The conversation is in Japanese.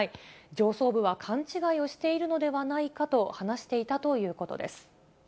上層部は勘違いをしているのではないかと話していたということです。